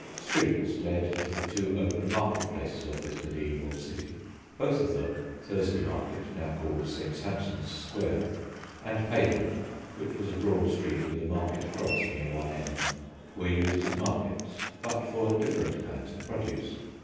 Streets led to the two open market places of this mediæval city. Both of them (Thursday Market, now called St. Sampson's Square, and Pavement, which was a broad street with a market cross near one end) were used as markets, but for different kinds of produce.